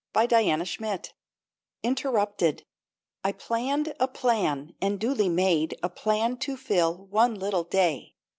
94 INTERRUPTED INTERRUPTED I PLANNED a plan, and duly made A plan to fill one little day.